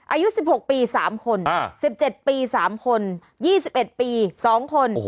อายุ๑๖ปี๓คน๑๗ปี๓คน๒๑ปี๒คน